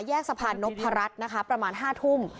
แยกสะพานนกพรรดนะคะประมาณ๕ทุ่ม